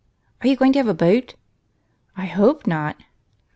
" Are you going to have a boat ?'"" I hojoe not."